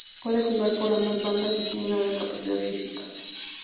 Puede jugar por ambas bandas y tiene una gran capacidad física.